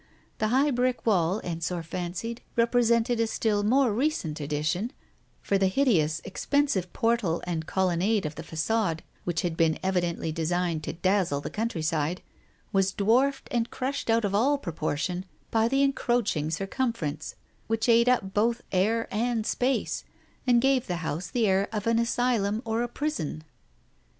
The high brick wall, Ensor fancied, repre sented a still more recent addition, for the hideous expen sive portal and colonnade of the facade which had been evidently designed to dazzle the countryside, was dwarfed and crushed out of all proportion by the encroaching circumference which ate up both air and space, and gave the house the air of an asylum or a prison.